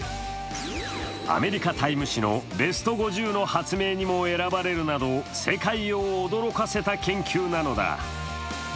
アメリカ・「タイム」誌のベスト５０の発明にも選ばれるなど世界を驚かせた研究なのだ。